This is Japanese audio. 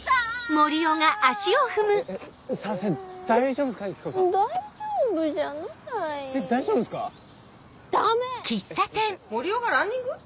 森生がランニング？